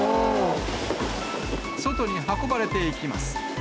外に運ばれていきます。